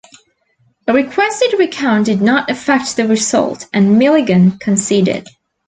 A requested recount did not affect the result, and Milligan conceded.